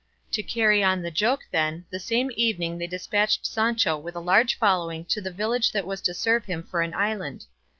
To carry on the joke, then, the same evening they despatched Sancho with a large following to the village that was to serve him for an island.